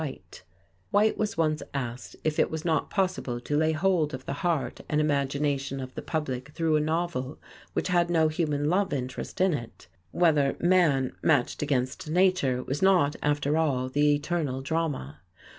White was once asked if it was not possible to lay hold of the heart and imagination of the public through a novel which had no human love interest in it whether man matched against nature was not, after all, the eternal drama.